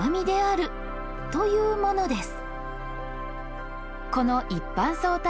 うんというものです